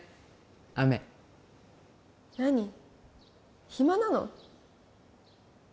雨何暇なの？